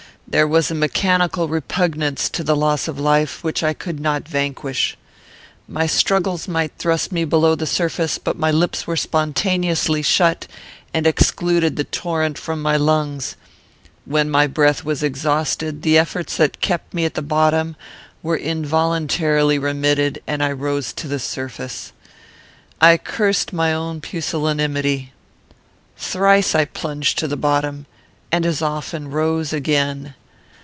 There was a mechanical repugnance to the loss of life, which I could not vanquish. My struggles might thrust me below the surface, but my lips were spontaneously shut, and excluded the torrent from my lungs. When my breath was exhausted, the efforts that kept me at the bottom were involuntarily remitted, and I rose to the surface. "I cursed my own pusillanimity. Thrice I plunged to the bottom, and as often rose again.